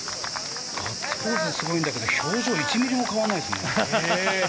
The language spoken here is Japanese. ガッツポーズもすごいんだけど、表情が１ミリも変わらないですね。